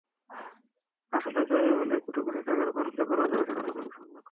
আসলে জয়ী হলেই কোটি কোটি টাকার বাণিজ্য করা যাবে-এই তাড়নার কারণেই সংঘাত।